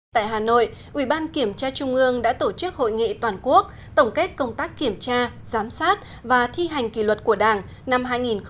tại hà nội ủy ban kiểm tra trung ương đã tổ chức hội nghị toàn quốc tổng kết công tác kiểm tra giám sát và thi hành kỷ luật của đảng năm hai nghìn một mươi chín